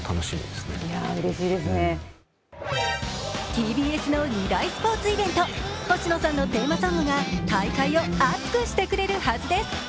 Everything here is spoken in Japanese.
ＴＢＳの２大スポーツイベント星野さんのテーマソングが大会を熱くしてくれるはずです。